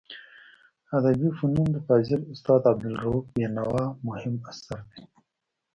ادبي فنون د فاضل استاد عبدالروف بینوا مهم اثر دی.